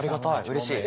うれしい。